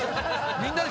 みんなに。